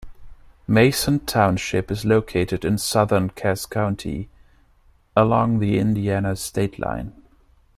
Mason Township is located in southern Cass County, along the Indiana state line.